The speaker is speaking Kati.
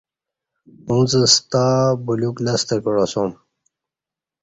اُݩڅ ستا بلیوک لستہ کعاسوم